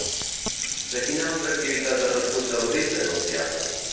De quina altra activitat es responsabilitzen, els Diables?